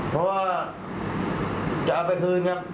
เพราะว่าจะเอาไปคืนครับ